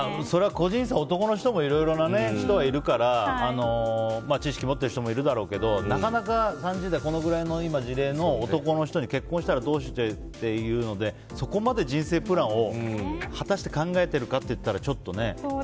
それは個人差があって男の人もいろいろな人はいるから知識持ってる人もいるだろうけどなかなか、３０代でこのくらいの事例の男の人に結婚したらどうしようというのでそこまで人生プランを果たして考えてるかっていったらちょっとね。